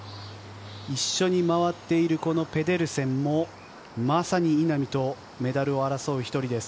一緒に回っている、このペデルセンも、まさに稲見とメダルを争う１人です。